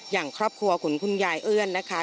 อย่างครอบครัวของคุณยายเอื้อนนะคะ